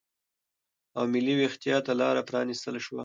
او ملي وېښتیا ته لاره پرا نستل شوه